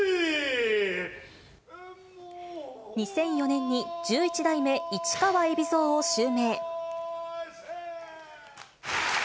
２００４年に、十一代目市川海老蔵を襲名。